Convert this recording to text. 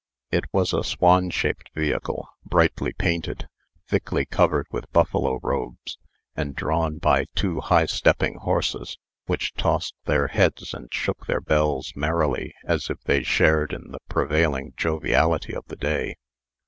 It was a swan shaped vehicle, brightly painted, thickly covered with buffalo robes, and drawn by two high stepping horses, which tossed their heads and shook their bells merrily as if they shared in the prevailing jovialty of the day.